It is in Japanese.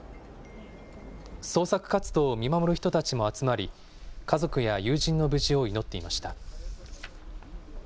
捜索活動を見守る人たちも集まり、家族や友人の無事を祈っていました。